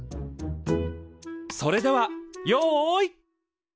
それではよい。